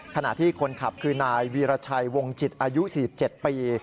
ขณะที่คนขับคือนายวีรชัยวงจิตอายุ๔๗ปี